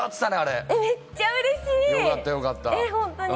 めっちゃ嬉しい！